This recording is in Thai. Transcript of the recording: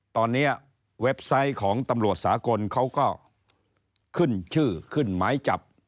ตอนนี้เว็บไซต์ของตำรวจสากลเขาก็ขึ้นชื่อขึ้นหมายจับ